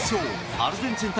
アルゼンチン対